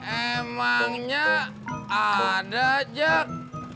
emangnya ada jok